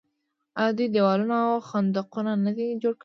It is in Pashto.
آیا دوی دیوالونه او خندقونه نه دي جوړ کړي؟